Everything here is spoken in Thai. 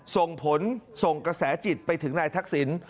ส่งผลส่งกระแสจิตไปถึงนายทักษิณ